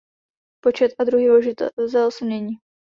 Počet a druhy vozidel se mění.